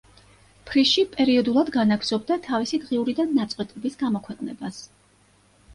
ფრიში პერიოდულად განაგრძობდა თავისი დღიურიდან ნაწყვეტების გამოქვეყნებას.